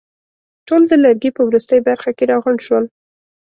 ټول د لرګي په وروستۍ برخه کې راغونډ شول.